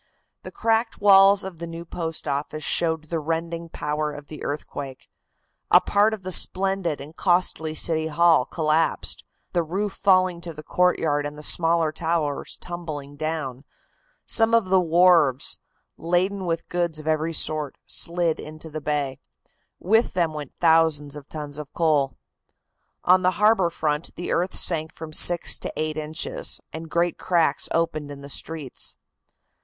The cracked walls of the new Post Office showed the rending power of the earthquake. A part of the splendid and costly City Hall collapsed, the roof falling to the courtyard and the smaller towers tumbling down. Some of the wharves, laden with goods of every sort, slid into the bay. With them went thousands of tons of coal. On the harbor front the earth sank from six to eight inches, and great cracks opened in the streets.